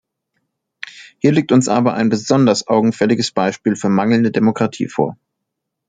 Hier liegt uns aber ein besonders augenfälliges Beispiel für mangelnde Demokratie vor.